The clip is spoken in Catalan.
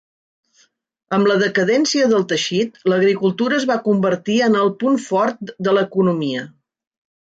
Amb la decadència del teixit, l'agricultura es va convertir en el punt fort de l'economia.